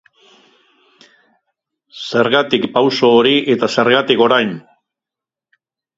Zergatik pauso hori eta zergatik orain?